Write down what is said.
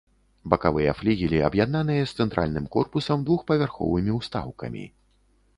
Бакавыя флігелі аб'яднаныя з цэнтральным корпусам двухпавярховымі ўстаўкамі.